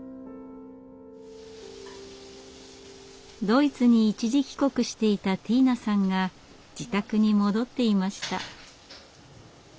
ドイツに一時帰国していたティーナさんが自宅に戻っていました。